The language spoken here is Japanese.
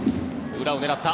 裏を狙った。